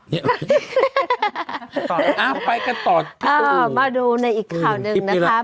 เอาไปกันต่อมาดูในอีกข่าวหนึ่งนะคะ